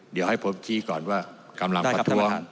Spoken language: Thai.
เดี๋ยวให้ผมชี้ก่อนว่ากำลังประธวงได้ครับท่านประธาน